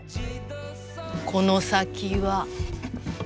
この先は。